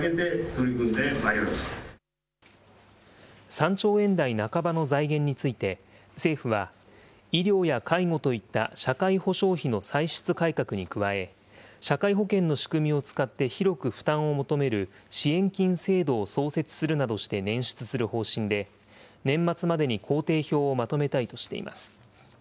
３兆円台半ばの財源について、政府は医療や介護といった社会保障費の歳出改革に加え、社会保険の仕組みを使って広く負担を求める支援金制度を創設するなどしてねん出する方針で、年末までに工程表をまとめたいとしています。